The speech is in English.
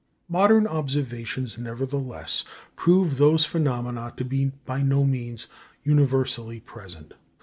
Modern observations, nevertheless, prove those phenomena to be by no means universally present.